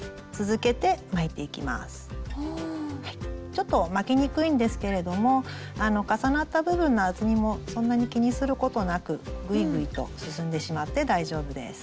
ちょっと巻きにくいんですけれども重なった部分の厚みもそんなに気にすることなくぐいぐいと進んでしまって大丈夫です。